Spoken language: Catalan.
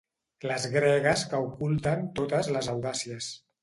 Les gregues que oculten totes les audàcies.